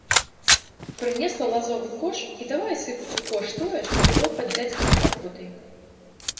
Прынесла лазовы кош і давай сыпаць у кош тое, што было пад дзядзькавай капотай.